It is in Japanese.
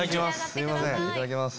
いただきます。